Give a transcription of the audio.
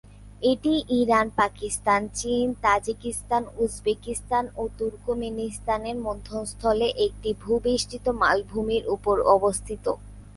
এটি ইরান, পাকিস্তান, চীন, Tajikistan, Uzbekistan, ও তুর্কমেনিস্তানের মধ্যস্থলে একটি ভূ-বেষ্টিত মালভূমির উপর অবস্থিত।